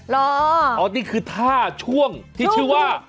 นี่คือท่าช่วงที่ชื่อว่า